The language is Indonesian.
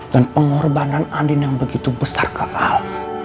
dan pengorbanan andin yang begitu besar ke al